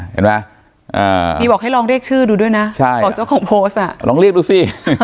เห็นไหมบอกให้ลองเรียกชื่อดูด้วยนะลงเรียกดูสิ